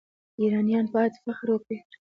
ایرانیان باید فخر وکړي.